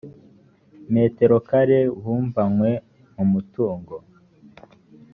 metero kare buvanywe mu mutungo